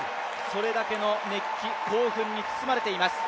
それだけの熱気、興奮に包まれています。